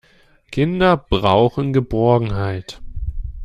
Kinder brauchen Geborgenheit.